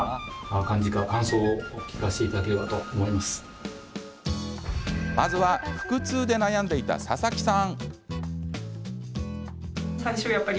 まずは、腹痛で悩んでいた佐々木さん。